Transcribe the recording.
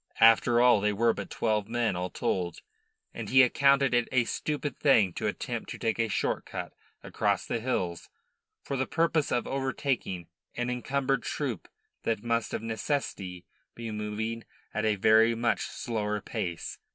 After all, they were but twelve men all told, and he accounted it a stupid thing to attempt to take a short cut across the hills for the purpose of overtaking an encumbered troop that must of necessity be moving at a very much slower pace.